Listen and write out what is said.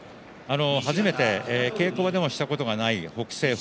初めて稽古場でもしたことがない北青鵬